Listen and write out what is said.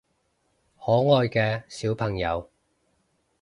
可愛嘅小朋友